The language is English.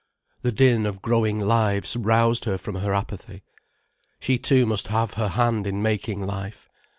The din of growing lives roused her from her apathy. She too must have her hand in making life.